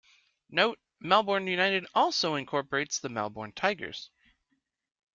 Note, Melbourne United also incorporates the Melbourne Tigers.